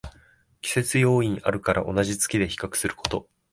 季節要因あるから同じ月で比較すること